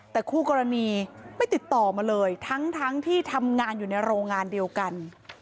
แต่คู่กรณีไม่ติดต่อมาเลยทั้งที่ทำงานอยู่ในโรงงานเดียวกัน